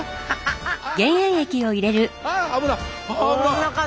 あ危なっ！